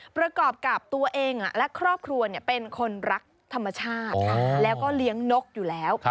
ประกอบกับตัวเองและครอบครัวเป็นคนรักธรรมชาติแล้วก็เลี้ยงนกอยู่แล้ว